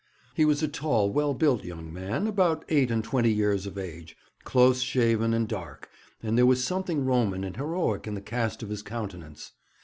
He was a tall, well built young man, about eight and twenty years of age, close shaven and dark, and there was something Roman and heroic in the cast of his countenance.